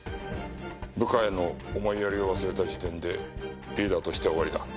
部下への思いやりを忘れた時点でリーダーとしては終わりだ。